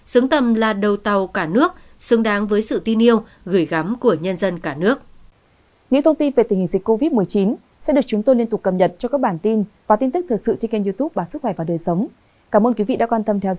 xứng tầm là đầu tàu cả nước xứng đáng với sự tin yêu gửi gắm của nhân dân cả nước